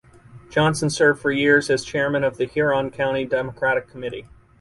Johnson served for years as chairman of the Huron County Democratic Committee.